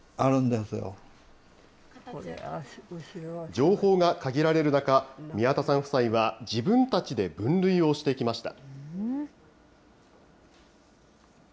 情報が限られる中、宮田さん夫妻は、自分たちで分類をしてきました。